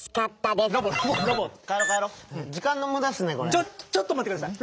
ちょちょっとまってください。